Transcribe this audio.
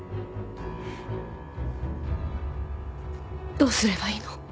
どうすればいいの？